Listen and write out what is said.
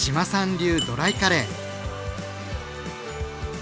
流ドライカレー。